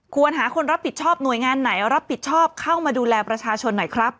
ควรหาคนรับผิดชอบหน่วยงานไหนรับผิดชอบเข้ามาดูแลประชาชนหน่อยครับ